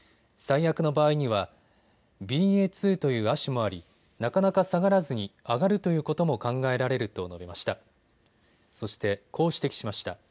最悪の場合にはＢＡ．２という亜種もありなかなか下がらずに上がるということも考えられると述べました。